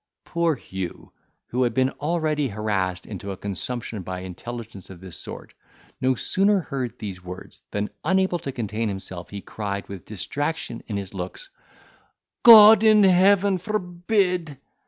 Poor Hugh, who had been already harassed into a consumption by intelligence of this sort, no sooner heard these words, than, unable to contain himself, he cried, with distraction in his looks, "God in heaven forbid!"